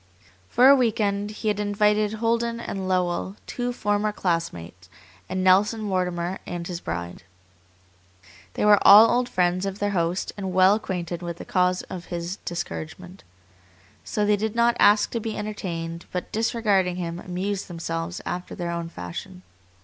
For a week end he had invited Holden and Lowell, two former classmates, and Nelson Mortimer and his bride. They were all old friends of their host and well acquainted with the cause of his discouragement. So they did not ask to be entertained, but, disregarding him, amused themselves after their own fashion.